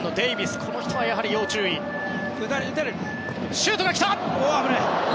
シュートが来た！